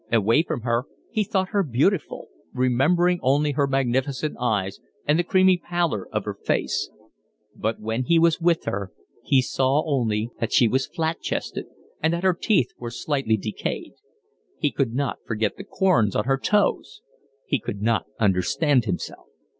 Away from her he thought her beautiful, remembering only her magnificent eyes and the creamy pallor of her face; but when he was with her he saw only that she was flat chested and that her teeth were slightly decayed; he could not forget the corns on her toes. He could not understand himself.